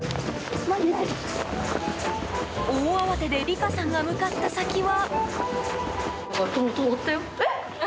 大慌てで理佳さんが向かった先は。